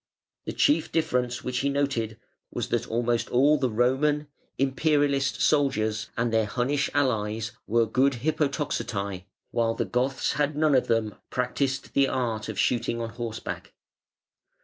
The chief difference which he noted was that almost all the Roman (Imperialist) soldiers and their Hunnish allies were good Hippo toxotai, while the Goths had none of them practised the art of shooting on horseback.